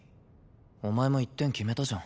お前も１点決めたじゃん。